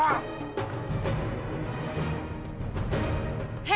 kamu lihat saya lepaskan